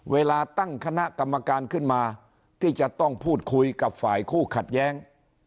เวลาตั้งคณะกรรมการขึ้นมาที่จะต้องพูดคุยกับฝ่ายคู่ขัดแย้ง